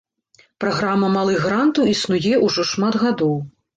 Праграма малых грантаў існуе ўжо шмат гадоў.